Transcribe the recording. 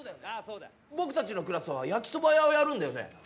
僕たちのクラスは焼きそば屋をやるんだよね？